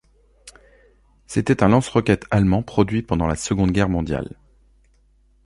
C'était un lance-roquettes allemand produit pendant la Seconde Guerre mondiale.